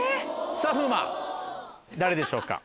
さぁ風磨誰でしょうか。